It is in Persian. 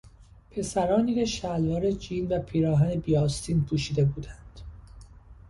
پسرانی که شلوار جین و پیراهن بیآستین پوشیده بودند.